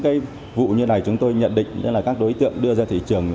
các đối tượng đưa ra thị trường